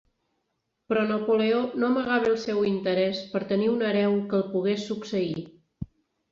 Però Napoleó no amagava el seu interès per tenir un hereu que el pogués succeir.